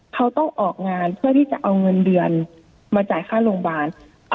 เขาต้องออกงานเพื่อที่จะเอาเงินเดือนมาจ่ายค่าโรงพยาบาล